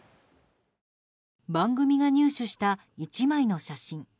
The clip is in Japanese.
番組が入手した１枚の写真。